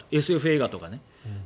ＳＦ映画とかね。